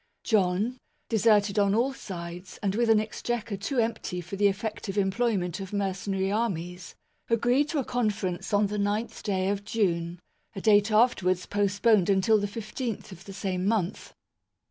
John, deserted on all sides, and with an Exchequer too empty for the effective employment of mercenary armies, agreed to a conference on the nth day of June, a date afterwards postponed till the I5th of the same month.